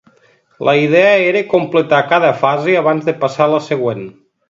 La idea era completar cada fase abans de passar a la següent.